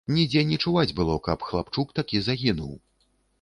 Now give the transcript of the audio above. Нідзе не чуваць было, каб хлапчук такі загінуў.